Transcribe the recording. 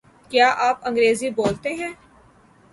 کیا آپ انگریزی بولتے ہیں؟